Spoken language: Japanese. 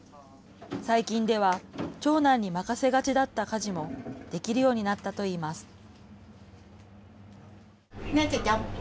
最近では長男に任せがちだった家事もできるようになったといいます。